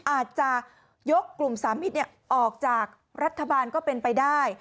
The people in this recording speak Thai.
อาจจะยกกลุ่มสามมิตรออกจากรัฐบาลก็เป็นไปได้